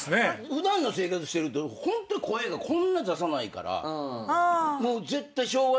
普段の生活してるとホント声がこんな出さないから。